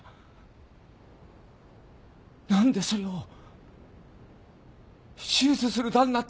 何でそれを手術する段になって急に！